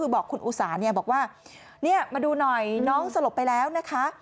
บอกคุณอุสาบอกว่ามาดูหน่อยน้องสลบไปแล้วนะคะ